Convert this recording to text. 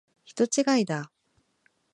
人違いだ。